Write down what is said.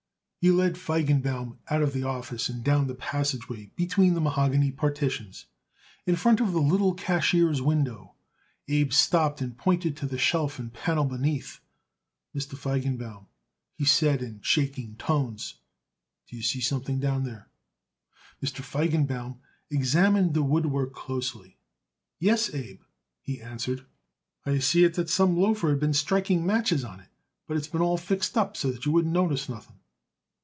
He led Feigenbaum out of the office and down the passageway between the mahogany partitions. In front of the little cashier's window Abe stopped and pointed to the shelf and panel beneath. "Mr. Feigenbaum," he said in shaking tones, "do you see something down there?" Mr. Feigenbaum examined the woodwork closely. "Yes, Abe," he answered. "I see it that some loafer has been striking matches on it, but it's been all fixed up so that you wouldn't notice nothing."